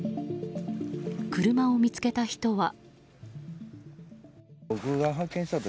車を見つけた人は。